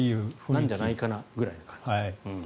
なんじゃないかなくらいな感じ。